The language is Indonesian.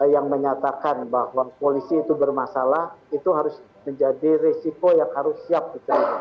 yang menyatakan bahwa polisi itu bermasalah itu harus menjadi risiko yang harus siap dicari